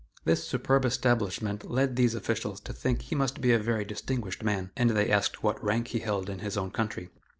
This superb establishment led these officials to think he must be a very distinguished man, and they asked what rank he held in his own country.